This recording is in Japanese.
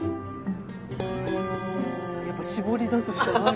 やっぱ絞り出すしかない。